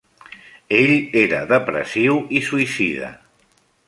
Ell era depressiu i suïcida.